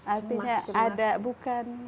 artinya ada bukan